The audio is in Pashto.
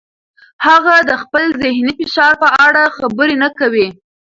هغه د خپل ذهني فشار په اړه خبرې نه کوي.